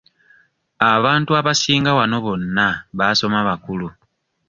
Abantu abasinga wano bonna baasoma bakulu.